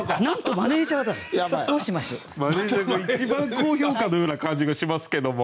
マネージャーが一番高評価のような感じがしますけども。